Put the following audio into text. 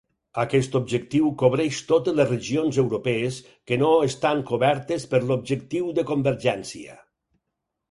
Aquest objectiu cobreix totes les regions europees que no estan cobertes per l'objectiu de Convergència.